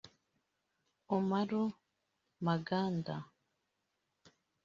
Umaru Maganda